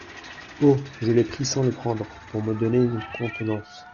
Oh ! je l'ai pris sans le prendre … pour me donner une contenance !